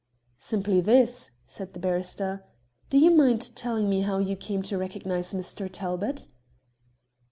"Simply this," said the barrister; "do you mind telling me how you came to recognize Mr. Talbot?"